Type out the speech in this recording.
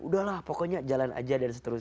udahlah pokoknya jalan aja dan seterusnya